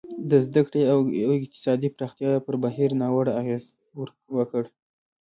د زده کړې او اقتصادي پراختیا پر بهیر ناوړه اغېز وکړ.